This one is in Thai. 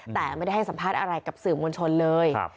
แต่ไม่ได้ให้สัมภาษณ์อะไรกับสื่อมวลชนเลย